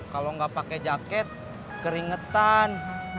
kalau enggak pake jaket keringetan